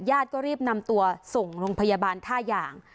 ญาติก็รีบนำตัวส่งโรงพยาบาลท่ายาง